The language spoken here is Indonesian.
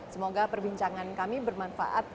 semoga perbincangan kami bermanfaat